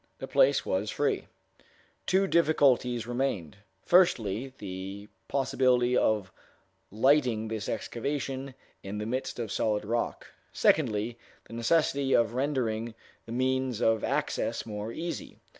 The place was free. Two difficulties remained; firstly, the possibility of lighting this excavation in the midst of solid rock; secondly, the necessity of rendering the means of access more easy.